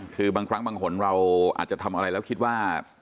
คือบางครั้งบางคนเราอาจจะทำอะไรแล้วคิดว่า